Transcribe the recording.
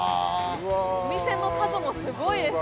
お店の数もすごいです